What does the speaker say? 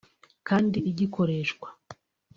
kandi igikoreshwa